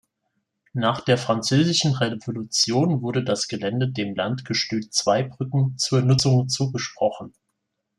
Nach der französischen Revolution wurde das Gelände dem Landgestüt Zweibrücken zur Nutzung zugesprochen.